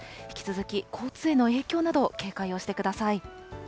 引き続き交通への影響など、警戒をしてください。